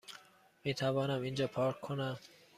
میتوانم اینجا پارک کنم؟